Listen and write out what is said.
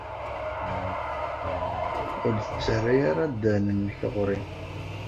Ur d-ttarra ara ddehn-nnek ɣer-i.